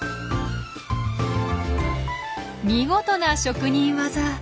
見事な職人技。